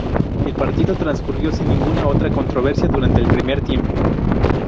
El partido transcurrió sin ninguna otra controversia durante el primer tiempo.